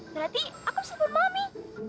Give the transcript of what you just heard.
berarti aku bisa tumpul mami